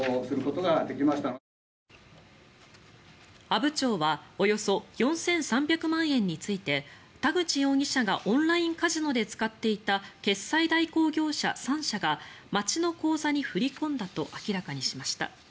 阿武町はおよそ４３００万円について田口容疑者がオンラインカジノで使っていた決済代行業者３社が町の口座に振り込んだと明らかにしました。